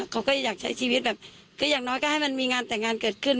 เขาก็อยากใช้ชีวิตแบบก็อย่างน้อยก็ให้มันมีงานแต่งงานเกิดขึ้น